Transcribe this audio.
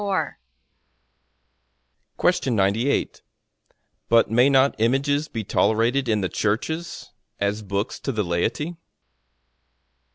A.